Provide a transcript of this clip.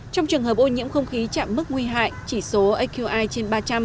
trong trường hợp ô nhiễm không khí chạm mức nguy hại chỉ số aqi trên ba trăm linh